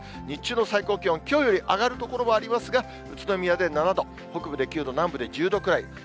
日中の最高気温、きょうより上がる所もありますが、宇都宮で７度、北部で９度、南部で１０度くらい。